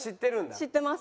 知ってます。